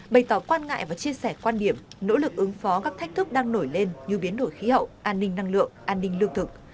bày tỏ quan ngại và chia sẻ quan điểm nỗ lực ứng phó các thách thức đang nổi lên như biến đổi khí hậu an ninh năng lượng an ninh lương thực